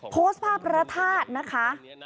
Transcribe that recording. โพสต์ภาพพระธาตุนะคะ